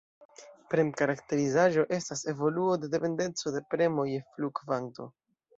Prem-karakterizaĵo estas evoluo de dependeco de premo je flu-kvanto.